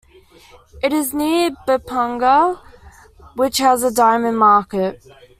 It is near Bapunagar, which has a diamond market.